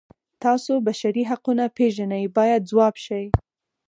تاسو بشري حقونه پیژنئ باید ځواب شي.